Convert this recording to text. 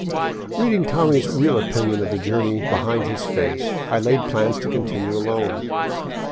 Reading Tommy's real opinion of the journey behind his face, I laid plans to continue alone.